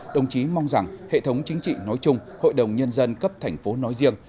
đồng chí mong rằng hệ thống chính trị nói chung hội đồng nhân dân cấp thành phố nói riêng